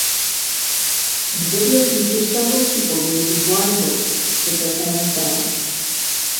The video features several people racing blindfolded, with their hands bound.